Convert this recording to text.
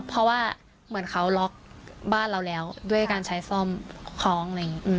เพราะว่าเหมือนเขาล็อกบ้านเราแล้วด้วยการใช้ซ่อมคล้อง